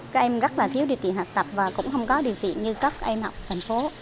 các em rất là thiếu điều trị học tập và cũng không có điều kiện như các em học thành phố